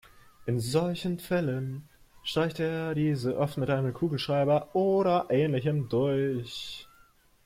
In solchen Fällen streicht er diese oft mit einem Kugelschreiber oder Ähnlichem durch.